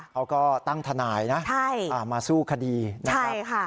เขาก็ตั้งทนายนะมาสู้คดีนะครับ